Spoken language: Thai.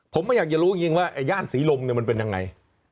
ผมไม่อยากจะรู้จริงว่าย่านศรีลมเนี่ยมันเป็นยังไง